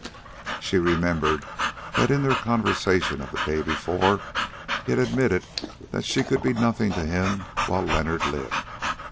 She remembered that in their conversation of the day before he had admitted that she could be nothing to him while Leonard lived.